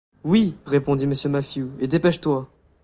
Oui, répondit Mr. Mathew, et dépêche-toi!